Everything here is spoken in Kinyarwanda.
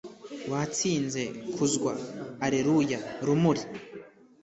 watsinze kuzwa alleluya, rumuri